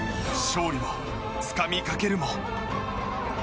勝利をつかみかけるも。